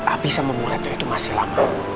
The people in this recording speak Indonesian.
abis sama murad itu masih lama